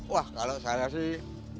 wah kalau saya sih